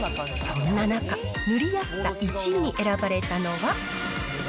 そんな中、塗りやすさ１位に選ばれたのは。